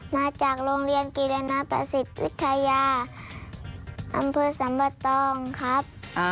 มาจากโรงเรียนกิรินประสิทธิ์วิทยาอำเภอสัมปะตองครับ